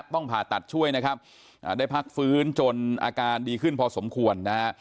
ต้องผ่าตัดช่วยนะครับได้พักฟื้นจนอาการดีขึ้นพอสมควรนะฮะ